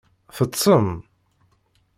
Teṭṭsem?